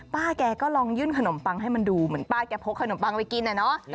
ป้าแกก็ลองยื่นขนมปังให้มันดูเหมือนป้าแกพกขนมปังไปกินน่ะเนอะ